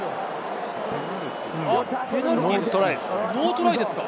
ノートライですね。